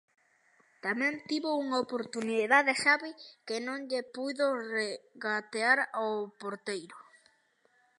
Tamén tivo unha oportunidade Xabi que non lle puido regatear ao porteiro.